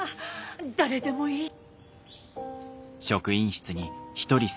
誰でもいい。